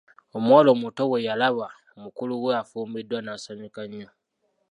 Omuwala omuto bwe yalaba mukulu we afumbiddwa n'asanyuka nnyo.